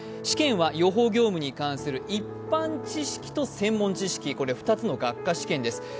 試験は予報業務に関する一般知識と専門知識、これ２つの学科試験です。